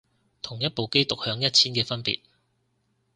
同一部機獨享一千嘅分別